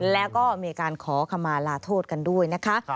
แล้วก็มีการขอขมาลาโทษกันด้วยนะคะ